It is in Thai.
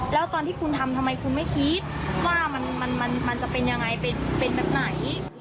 แล้วตอนที่คุณทำทำไมคุณไม่คิดว่ามันจะเป็นยังไงเป็นแบบไหน